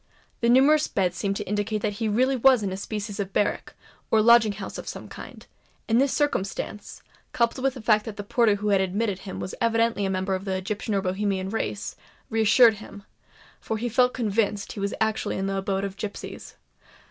The numerous beds seemed to indicate that he really was in a species of barrack, or lodging house of some kind; and this circumstance, coupled with the fact that the porter who had admitted him was evidently a member of the Egyptian or Bohemian race, reassured him—for he felt convinced that he was actually in the abode of gipsies.